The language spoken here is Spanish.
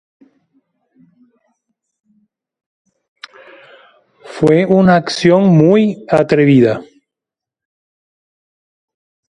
Fue una acción muy atrevida.